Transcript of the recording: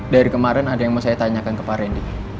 dari kemarin ada yang mau saya tanyakan ke pak rendy